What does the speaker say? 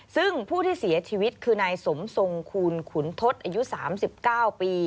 ซึ่งผู้ที่เสียชีวิตคือนายสมทรงคูณขุนทศอายุ๓๙ปี